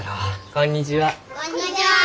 こんにちは！